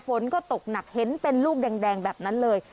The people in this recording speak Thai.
ฝนก็ตกหนักเห็นเป็นลูกแดงแบบนั้นเลย